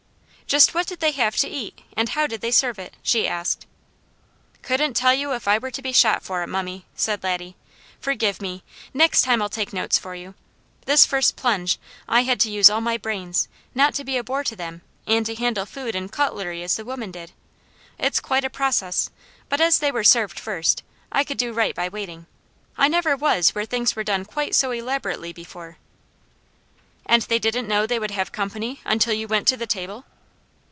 "Just what did they have to eat, and how did they serve it?" she asked. "Couldn't tell if I were to be shot for it, mummy," said Laddie. "Forgive me! Next time I'll take notes for you. This first plunge, I had to use all my brains, not to be a bore to them; and to handle food and cutlery as the women did. It's quite a process, but as they were served first, I could do right by waiting. I never was where things were done quite so elaborately before." "And they didn't know they would have company until you went to the table?"